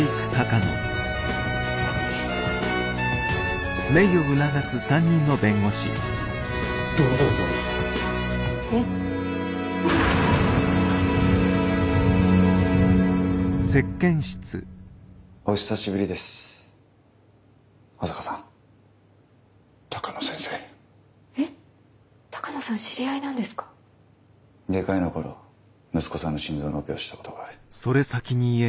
外科医の頃息子さんの心臓のオペをしたことがある。